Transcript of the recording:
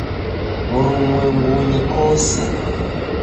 Wurumwengunyi kose